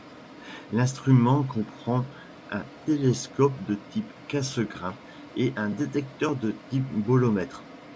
L'instrument comprend un télescope de type Cassegrain et un détecteur de type bolomètre.